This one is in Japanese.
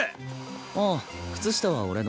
ああ靴下は俺の。